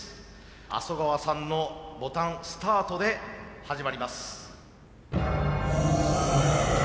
麻生川さんのボタンスタートで始まります。